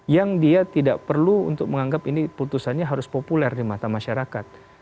yang dia tidak perlu untuk menganggap ini putusannya harus populer di mata masyarakat